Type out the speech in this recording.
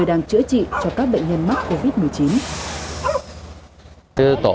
nhưng là mình có thể sẽ bị nhiễm bệnh bất cứ lúc nào